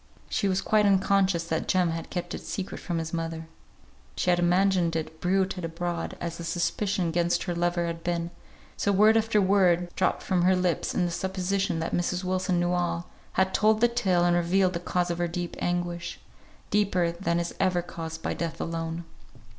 She was quite unconscious that Jem had kept it secret from his mother; she had imagined it bruited abroad as the suspicion against her lover had been; so word after word (dropped from her lips in the supposition that Mrs. Wilson knew all) had told the tale and revealed the cause of her deep anguish; deeper than is ever caused by Death alone.